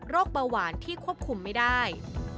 เบาหวานที่ควบคุมไม่ได้